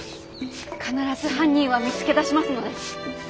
必ず犯人は見つけ出しますので。